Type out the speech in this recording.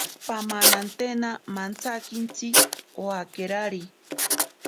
Pamanantena mantsakintsi owakerari.